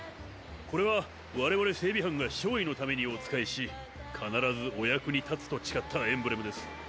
これは我々整備班が少尉のためにお仕えし必ずお役に立つと誓ったエンブレムです。